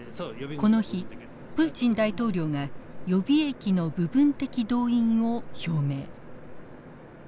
この日プーチン大統領が予備役の部分的動員を表明。